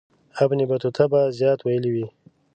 ابن بطوطه به زیات ویلي وي.